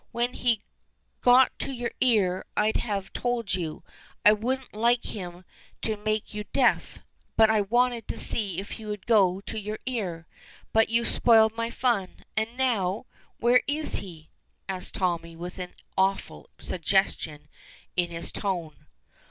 When he got to your ear I'd have told you. I wouldn't like him to make you deaf, but I wanted to see if he would go to your ear. But you spoiled all my fun, and now where is he now?" asks Tommy, with an awful suggestion in his tone.